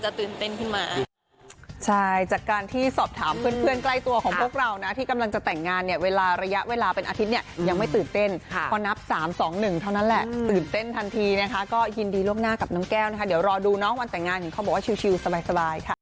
ใช่จากการที่สอบถามเพื่อนใกล้ตัวของพวกเรานะที่กำลังจะแต่งงานเนี่ยเวลาระยะเวลาเป็นอาทิตย์เนี่ยยังไม่ตื่นเต้นเพราะนับ๓๒๑เท่านั้นแหละตื่นเต้นทันทีนะคะก็ยินดีลบหน้ากับน้องแก้วนะคะเดี๋ยวรอดูน้องวันแต่งงานเขาบอกว่าชิลล์สบายค่ะ